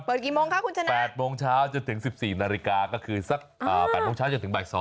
กี่โมงคะคุณชนะ๘โมงเช้าจนถึง๑๔นาฬิกาก็คือสัก๘โมงเช้าจนถึงบ่าย๒